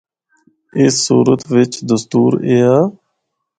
اس صورت وچ دستور ایہا۔